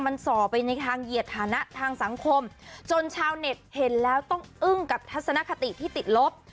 มันส่อไปในทางเหยียดฐานะทางสังคมจนชาวเน็ตเห็นแล้วต้องอึ้งกับทัศนคติที่ติดลบ